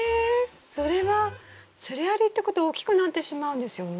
それはつるありってことは大きくなってしまうんですよね？